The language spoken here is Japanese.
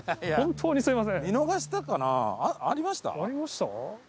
ありました？